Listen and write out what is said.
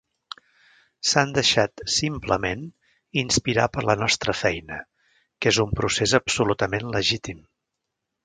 S'han deixat, simplement, inspirar per la nostra feina, que és un procés absolutament legitim.